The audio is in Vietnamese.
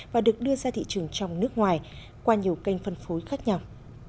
và được đưa ra thị trường trong nước ngoài qua nhiều kênh phân phối khác nhau